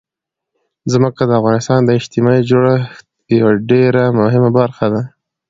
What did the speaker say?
ځمکه د افغانستان د اجتماعي جوړښت یوه ډېره مهمه برخه ده.